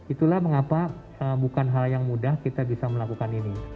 itulah mengapa bukan hal yang mudah kita bisa melakukan ini